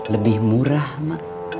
lebih murah mak